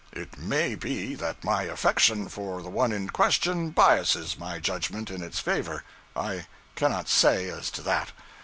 It may be that my affection for the one in question biases my judgment in its favor; I cannot say as to that.